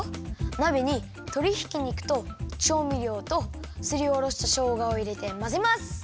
なべにとりひき肉とちょうみりょうとすりおろしたしょうがをいれてまぜます。